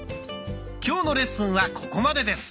今日のレッスンはここまでです。